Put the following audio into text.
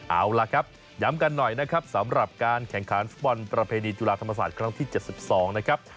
เอาล่ะครับย้ำกันหน่อยนะครับสำหรับการแข่งขันฟุตบอลประเพณีจุฬาธรรมศาสตร์ครั้งที่๗๒นะครับ